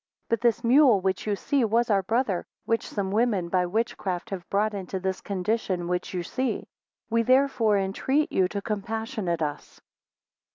23 But this mule, which you see, was our brother, which some women by witchcraft have brought into this condition which you see: we therefore entreat you to compassionate us.